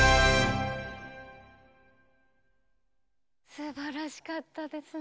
すばらしかったですね。